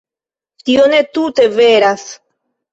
Tio ne tute veras.